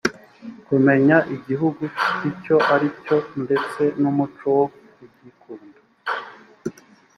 kumenya igihugu icyo ari cyo ndetse n’umuco wo kugikunda